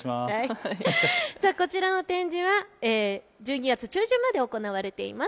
こちらの展示は１２月中旬まで行われています。